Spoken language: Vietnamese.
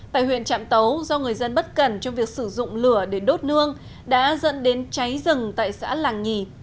tại huyện trạm tấu do người dân bất cẩn trong việc sử dụng lửa để đốt nương đã dẫn đến cháy rừng tại xã làng nhì